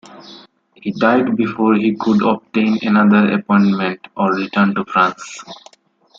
He died before he could obtain another appointment or return to France.